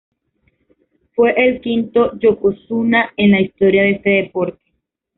Fue el quinto "yokozuna" en la historia de este deporte.